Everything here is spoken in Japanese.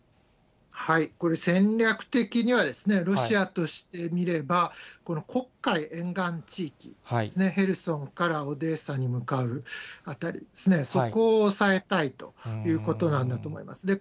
これ、戦略的には、ロシアとして見れば、黒海沿岸地域ですね、ヘルソンからオデーサに向かう辺りですね、そこを押さえたいということなんだと思いますね。